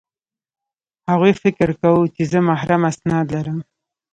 هغوی فکر کاوه چې زه محرم اسناد لرم